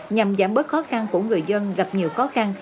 nhằm giảm bớt khó khăn của người dân gặp nhiều khó khăn